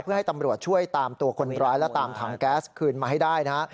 เพื่อให้ตำรวจช่วยตามตัวคนร้ายและตามถังแก๊สคืนมาให้ได้นะฮะ